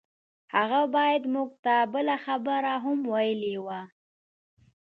هغه بايد موږ ته بله خبره هم ويلي وای.